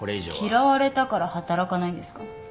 嫌われたから働かないんですか？